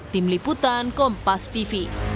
tim liputan kompas tv